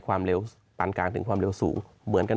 ความเร็วปานกลางถึงความเร็วสูง